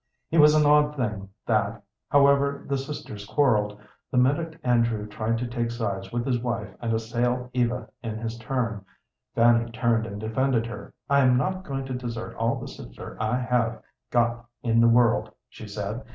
It was an odd thing that, however the sisters quarrelled, the minute Andrew tried to take sides with his wife and assail Eva in his turn, Fanny turned and defended her. "I am not going to desert all the sister I have got in the world," she said.